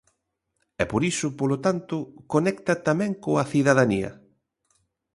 E por iso, polo tanto, conecta tamén coa cidadanía.